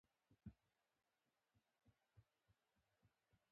پام کوه چې ميلمه دی، عزت يې وکړه!